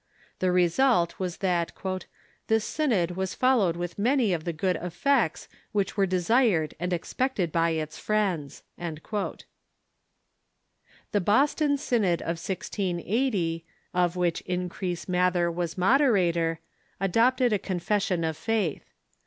The result was that "this synod was followed with many of the good effects which were desired and expect ed by its friends." The Boston Synod of 1680, of which Increase Mather was moderator, adopted a Confession of Faith.